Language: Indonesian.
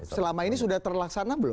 selama ini sudah terlaksana belum